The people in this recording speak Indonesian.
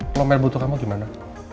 kalau merah butuh kamu gimana